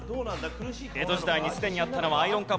江戸時代にすでにあったのはアイロンか？